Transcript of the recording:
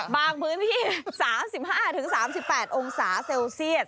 บางพื้นที่๓๕๓๘องศาเซลเซียต